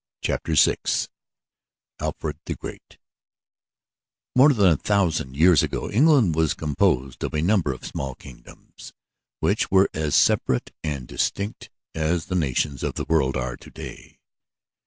CHAPTER VI ALFRED THE GREAT More than a thousand years ago England was composed of a number of small kingdoms, which were as separate and distinct as the nations of the world are to day.